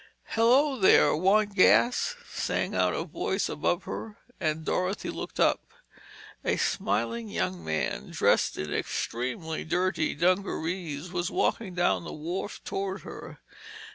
"Hello, there! Want gas?" sang out a voice above her, and Dorothy looked up. A smiling young man, dressed in extremely dirty dungarees was walking down the wharf toward her.